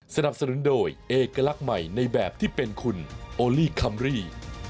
สนับสนุนโดยเอกลักษณ์ใหม่ในแบบที่เป็นคุณโอลี่คัมรี่